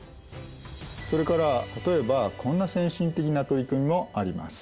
それから例えばこんな先進的な取り組みもあります。